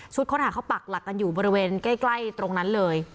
ค้นหาเขาปักหลักกันอยู่บริเวณใกล้ตรงนั้นเลย